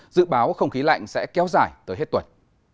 dự báo không khí lạnh sẽ kéo dài tới hết tuần